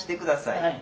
はい。